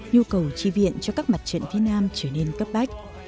nhu cầu tri viện cho các mặt trận phía nam trở nên cấp bách